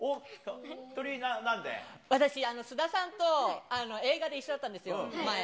私、須田さんと映画で一緒だったんですよ、前。